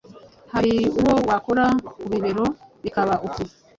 Hari uwo wakora ku bibero bikaba uko